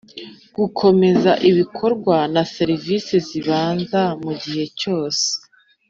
gukomeza ibikorwa na serivisi z ibanze mu gihe cyose